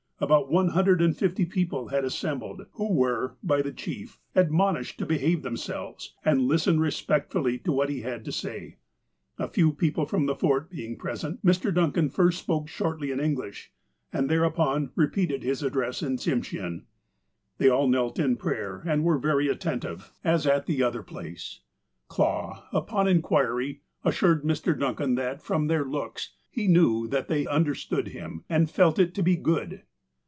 About one hundred and fifty people had as sembled, who were, by the chief, admonished to behave themselves, and listen respectfully to what he had to say. A few people from the Fort being present, Mr. Duncan first spoke shortly in English, and thereupon repeated his address in Tsimshean. They all knelt in prayer, and were very attentive, as at 126 THE APOSTLE OF ALASKA the other place. Clah, upon inquiry, assured Mr. Duncan that, from their looks, he knew that they understood him, and felt it to be " good."